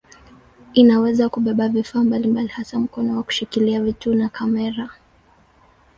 Inaweza kubeba vifaa mbalimbali hasa mkono wa kushikilia vitu na kamera.